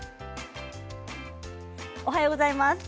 おはようございます。